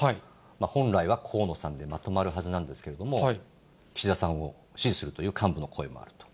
本来は河野さんでまとまるはずなんですけれども、岸田さんを支持するという、幹部の声があると。